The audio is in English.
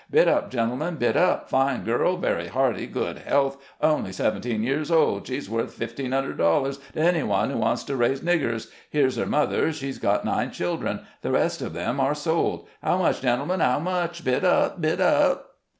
Bid up, gentlemen, bid up ! Fine girl ; very hearty ; good health ; only seventeen years old ; she's worth fifteen hundred dollars to anyone who wants to raise niggers. Here's her mother; she's had nine children ; the rest of them are sold. How much, gentlemen — how much? Bid up! bid up!"